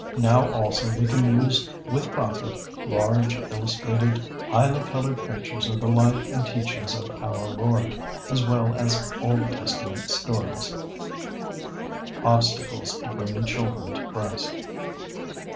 Now also we can use with profit, large, illustrated, highly colored pictures of the life and teachings of our Lord, as well as Old Testament stories." [Sidenote: Obstacles to bringing children to Christ.